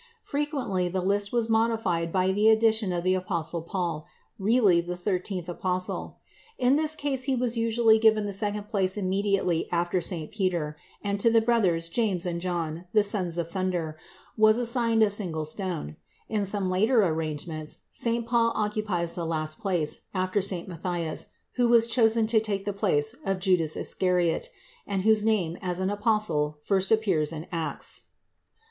Frequently the list was modified by the addition of the apostle Paul, really the thirteenth apostle. In this case he was usually given the second place immediately after St. Peter, and to the brothers James and John, the "Sons of Thunder," was assigned a single stone; in some later arrangements St. Paul occupies the last place, after St. Matthias, who was chosen to take the place of Judas Iscariot, and whose name as an apostle first appears in the Acts.